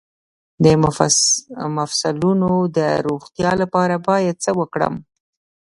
د مفصلونو د روغتیا لپاره باید څه وکړم؟